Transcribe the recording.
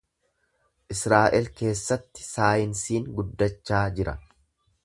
Israa’el keessatti saayinsiin guddachaa jira.